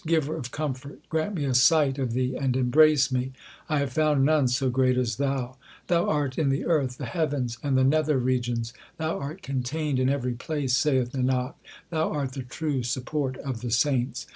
Giver of comfort, grant me a sight of Thee and embrace me : 1 have found none so great as Thou. Thou art in the earth, the heavens, and the nether regions ; Thou art contained in every place, saith Nanak ; Thou art the true support of the saints.